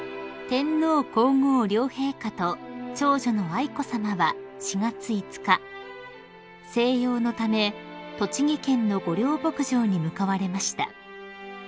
［天皇皇后両陛下と長女の愛子さまは４月５日静養のため栃木県の御料牧場に向かわれました］